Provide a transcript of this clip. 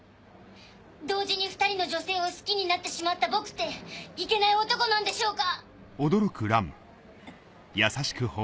同時に２人の女性を好きになってしまった僕っていけない男なんでしょうか？